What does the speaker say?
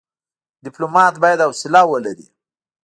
ډيپلومات بايد حوصله ولري.